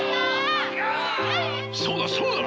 そうだそうだ！